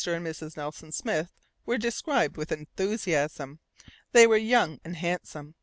and Mrs. Nelson Smith were described with enthusiasm. They were young and handsome.